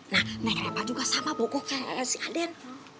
nah yang repa juga sama pokok kan si aden